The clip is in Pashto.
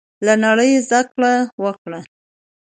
له نړۍ زده کړه وکړو.